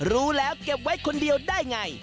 รู้แล้วเก็บไว้คนเดียวได้ไง